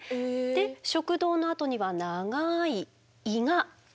で食道のあとには長い胃が続きます。